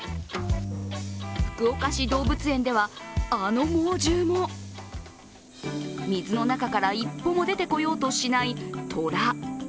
福岡市動物園では、あの猛獣も水の中から一歩も出てこようとしないトラ。